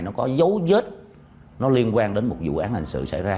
nó có dấu vết nó liên quan đến một vụ án hành sự xảy ra